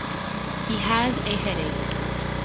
He has a headache.